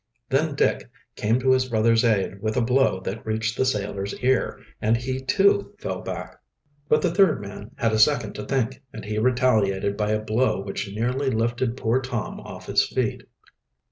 Then Dick came to his brother's aid with a blow that reached the sailor's ear, and he too fell back. But the third man had a second to think, and he retaliated by a blow which nearly lifted poor Tom off his feet.